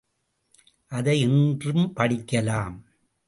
அதை இன்றும் படிக்கலாம்.